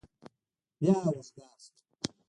بيا وزگار سوم.